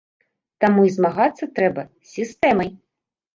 Таму і змагацца трэба з сістэмай.